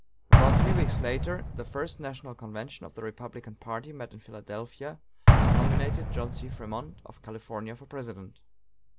About three weeks later, the first national convention of the Republican party met at Philadelphia, and nominated John C. Frémont of California for President.